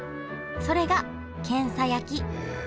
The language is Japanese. それがけんさ焼きへえ。